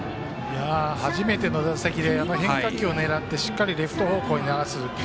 初めての打席で、変化球を狙ってしっかりレフト方向に流す。